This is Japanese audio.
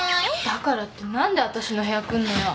だからって何でわたしの部屋来んのよ。